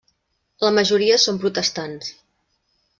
La majoria són protestants.